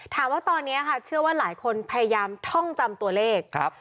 ถามว่าตอนนี้ค่ะเชื่อว่าหลายคนพยายามท่องจำตัวเลขครับ